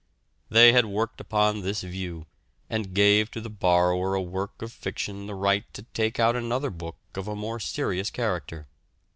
They had worked upon this view, and gave to the borrower of a work of fiction the right to take out another book of a more serious character.